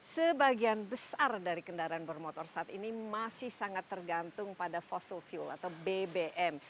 sebagian besar dari kendaraan bermotor saat ini masih sangat tergantung pada fossil fuel atau bbm